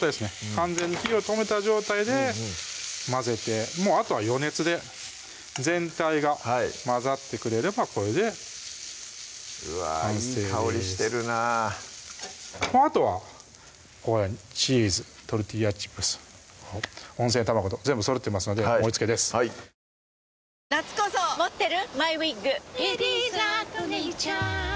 完全に火を止めた状態で混ぜてもうあとは余熱で全体が混ざってくれればこれで完成にいい香りしてるなあとはチーズ・トルティーヤチップス・温泉卵と全部そろっていますので盛りつけですではこちらですね